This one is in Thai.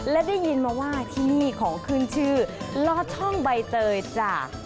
และได้ยินมาว่าที่นี่ของขึ้นชื่อลอดช่องใบเตยจ้ะ